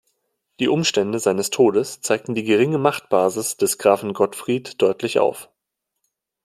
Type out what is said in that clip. Die Umstände seines Todes zeigen die geringe Machtbasis des Grafen Gottfried deutlich auf.